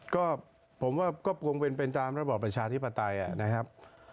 ก็ผมว่าก็คงเป็นตามระบอบประชาธิปไตยนะครับ